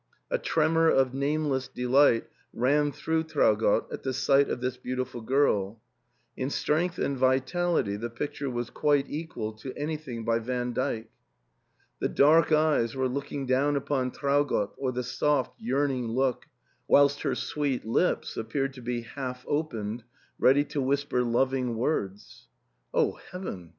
A tremor of name less delight ran through Traugott at the sight of this beautiful girl. In strength and vitality the picture was quite equal to anything by Van Dyk. The dark eyes were looking down upon Traugott with a soft yearning look, whilst her sweet lips appeared to be half opened ready to whisper loving words. "O heaven